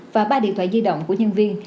và ba điện thoại di động của nhân viên